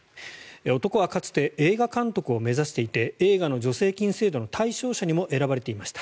男はかつて映画監督を目指していて映画の助成金制度の対象者にも選ばれていました。